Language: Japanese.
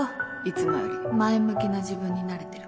いつもより前向きな自分になれてるから